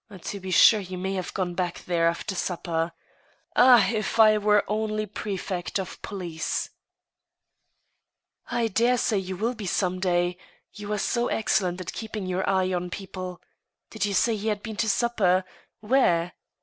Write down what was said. .». To be sure, he may have gone back there after supper. Ah ! if I were only prefect of police I "" I dare say you will be some day. You are so excellent at keep ing your eye on people. ... Did you say he had been to supper ? Where